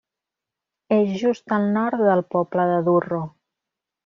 És just al nord del poble de Durro.